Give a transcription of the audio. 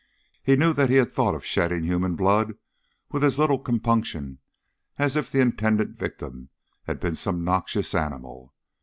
He knew that he had thought of shedding human blood with as little compunction as if the intended victim had been some noxious animal.